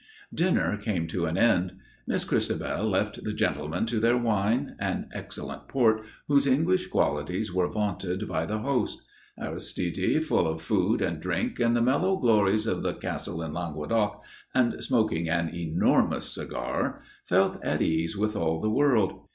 Dinner came to an end. Miss Christabel left the gentlemen to their wine, an excellent port whose English qualities were vaunted by the host. Aristide, full of food and drink and the mellow glories of the castle in Languedoc, and smoking an enormous cigar, felt at ease with all the world.